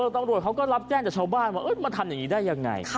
ตำรวจเขาก็รับแจ้งจากชาวบ้านว่ามาทำอย่างนี้ได้ยังไง